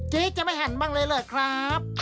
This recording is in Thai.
เจ๊จะไม่หันบ้างเลยเลยครับ